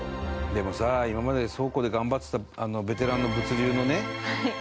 でもさ今まで倉庫で頑張ってたベテランの物流のね従業員の方どうする？